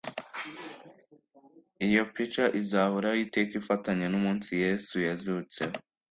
Iyo pica izahoraho iteka ifatanye n'umunsi Yesu yazutseho...